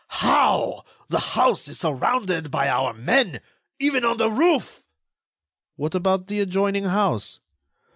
How? The house is surrounded by our men—even on the roof." "What about the adjoining house?"